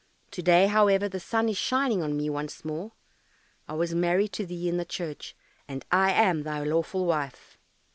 To day, however, the sun is shining on me once more. I was married to thee in the church, and I am thy lawful wife."